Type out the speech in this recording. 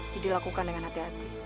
jadi lakukan dengan hati hati